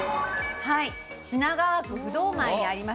品川区不動前にあります